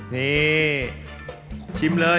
นี่ชิมเลย